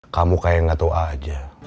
kamu kayak gak tau aja